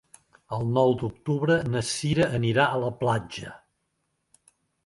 El nou d'octubre na Cira anirà a la platja.